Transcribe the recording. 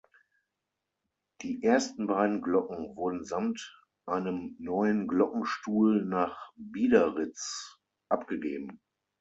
Die ersten beiden Glocken wurden samt einem neuen Glockenstuhl nach Biederitz abgegeben.